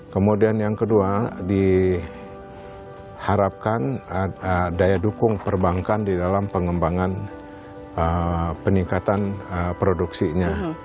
kemudian yang kedua diharapkan daya dukung perbankan di dalam pengembangan peningkatan produksinya